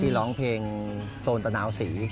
ร้องเพลงโซนตะนาวศรี